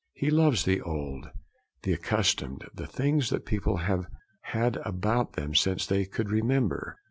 He loves the old, the accustomed, the things that people have had about them since they could remember.